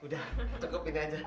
udah cukup ini aja